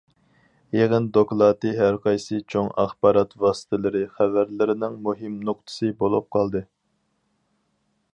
يىغىن دوكلاتى ھەرقايسى چوڭ ئاخبارات ۋاسىتىلىرى خەۋەرلىرىنىڭ مۇھىم نۇقتىسى بولۇپ قالدى.